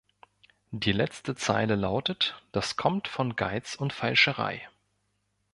Die letzte Zeile lautet: "Das kommt von Geiz und Feilscherei!"